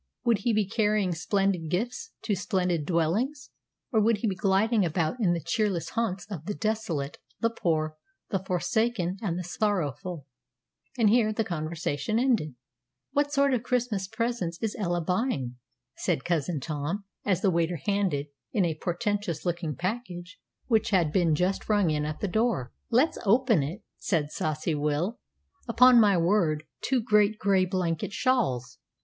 Would he be carrying splendid gifts to splendid dwellings, or would he be gliding about in the cheerless haunts of the desolate, the poor, the forsaken, and the sorrowful?" And here the conversation ended. "What sort of Christmas presents is Ella buying?" said Cousin Tom, as the waiter handed in a portentous looking package, which had been just rung in at the door. "Let's open it," said saucy Will. "Upon my word, two great gray blanket shawls!